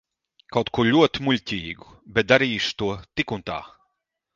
Kaut ko ļoti muļķīgu, bet darīšu to tik un tā.